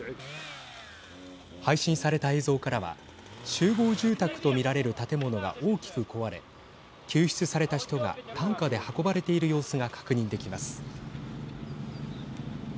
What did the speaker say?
配信された映像からは集合住宅と見られる建物が大きく壊れ救出された人が担架で運ばれている様子が確認できます。